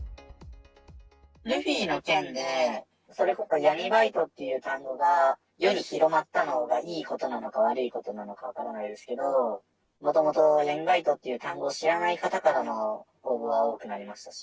ルフィの件で、それこそ闇バイトっていう単語が世に広がったのがいいことなのか悪いことなのか分からないですけど、もともと、闇バイトっていう単語を知らない方からの応募が多くなりましたし。